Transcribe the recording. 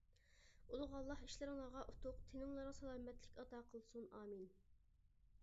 ئۇلۇغ ئاللا ئىشلىرىڭلارغا ئۇتۇق تېنىڭلارغا سالامەتلىك ئاتا قىلسۇن ئامىن.